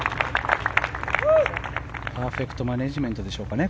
パーフェクトマネジメントでしょうかね